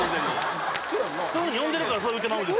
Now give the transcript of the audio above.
そういう風に呼んでるからそう言うてまうんです